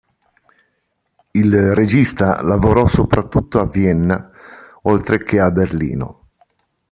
Il regista lavorò soprattutto a Vienna, oltre che a Berlino.